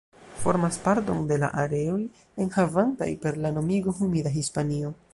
Formas parton de la areoj enhavantaj per la nomigo "humida Hispanio".